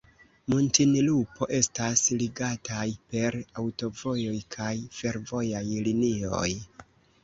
Muntinlupo estas ligataj per aŭtovojoj kaj fervojaj linioj.